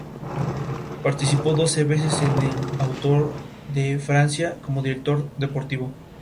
No se ha visto allí recientemente y este registro debe ser tratado con precaución.